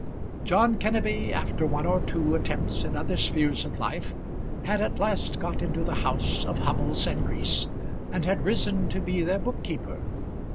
John Kenneby, after one or two attempts in other spheres of life, had at last got into the house of Hubbles and Grease, and had risen to be their book keeper.